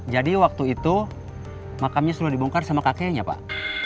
jadi waktu itu makamnya sudah dibongkar sama kakeknya pak